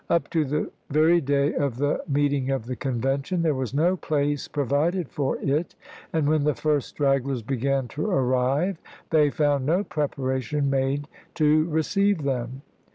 Up to the very day of the meeting of the Convention there was no place provided for it, and when the first stragglers began to arrive they found no preparation made to receive them.